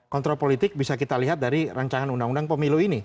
kontrol politik bisa kita lihat dari rancangan undang undang pemilu ini